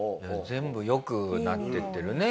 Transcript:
全部良くなっていってるね。